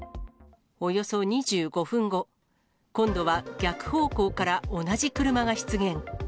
およそ２５分後、今度は逆方向から同じ車が出現。